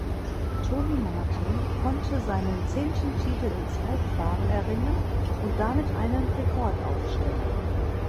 Tony Martin konnte seinen zehnten Titel im Zeitfahren erringen und damit einen Rekord aufstellen.